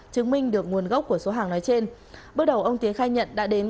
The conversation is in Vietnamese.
chứng minh được nguồn gốc của số hàng nói trên